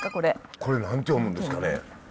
これ何て読むんですかね？